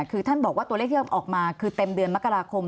คือท่านบอกว่าตัวเลขที่ออกมาคือเต็มเดือนมกราคม